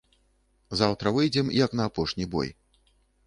Заўтра выйдзем, як на апошні бой.